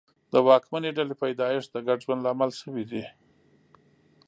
د واکمنې ډلې پیدایښت د ګډ ژوند لامل شوي وي.